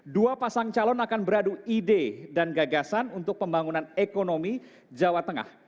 dua pasang calon akan beradu ide dan gagasan untuk pembangunan ekonomi jawa tengah